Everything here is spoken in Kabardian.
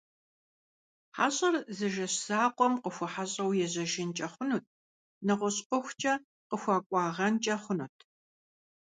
Хьэщӏэр зы жэщ закъуэм къыхуэхьэщӏэу ежьэжынкӏэ хъунут, нэгъуэщӏ ӏуэхукӏэ къыхуэкӏуагъэнкӏэ хъунут.